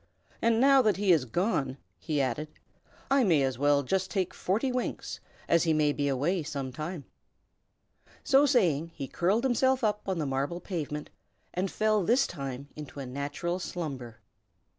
And now that he is gone," he added, "I may as well just take forty winks, as he may be away some time." So saying, he curled himself up on the marble pavement, and fell this time into a natural slumber.